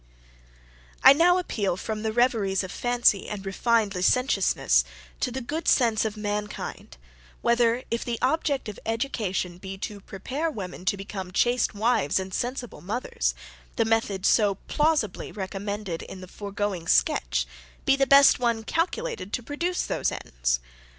I now appeal from the reveries of fancy and refined licentiousness to the good sense of mankind, whether, if the object of education be to prepare women to become chaste wives and sensible mothers, the method so plausibly recommended in the foregoing sketch, be the one best calculated to produce those ends?